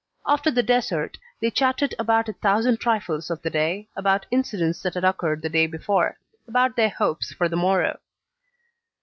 After the dessert, they chatted about a thousand trifles of the day, about incidents that had occurred the day before, about their hopes for the morrow.